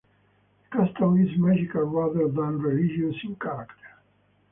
The custom is magical rather than religious in character.